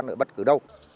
là đất nước